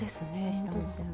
下の線。